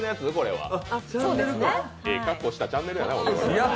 ええ格好したチャンネルやな。